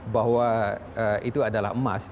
bahwa itu adalah emas